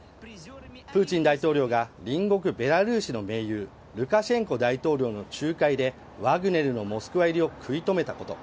プーチン大統領が隣国ベラルーシの盟友ルカシェンコ大統領の仲介でワグネルのモスクワ入りを食い止めたこと。